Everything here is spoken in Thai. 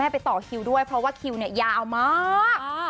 ไปต่อคิวด้วยเพราะว่าคิวเนี่ยยาวมาก